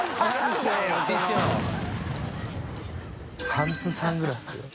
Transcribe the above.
パンツサングラス。